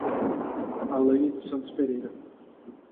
Alaine dos Santos Pereira